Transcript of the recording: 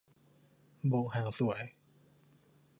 โบกหางสวย